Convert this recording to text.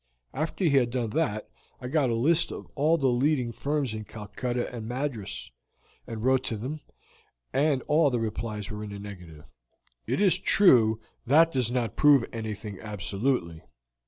After he had done that, I got a list of all the leading firms in Calcutta and Madras, and wrote to them, and all the replies were in the negative. It is true that does not prove anything absolutely.